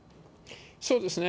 そうですね。